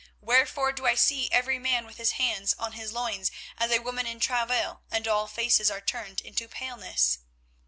wherefore do I see every man with his hands on his loins, as a woman in travail, and all faces are turned into paleness?